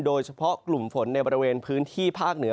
โดยเฉพาะกลุ่มฝนในบริเวณพื้นที่ภาคเหนือ